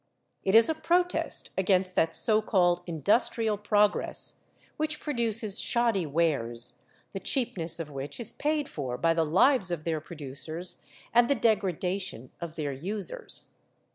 It is a protest against that so called industrial progress which produces shoddy wares, the cheapness of which is paid for by the lives of their producers and the degradation of their users.